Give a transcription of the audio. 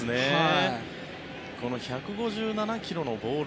この１５７ｋｍのボール